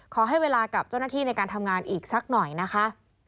ขอให้เวลากับเจ้าหน้าที่ในการทำงานอีกสักหน่อยนะคะ